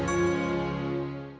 sampai jumpa lagi